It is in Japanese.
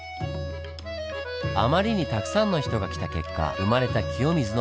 あまりにたくさんの人が来た結果生まれた清水の舞台。